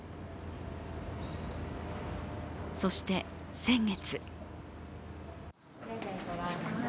そして、先月。